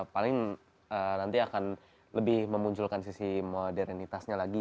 paling nanti akan lebih memunculkan sisi modernitasnya lagi